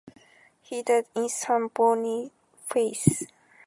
He died in Saint Boniface.